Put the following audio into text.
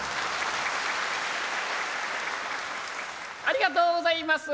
ありがとうございます。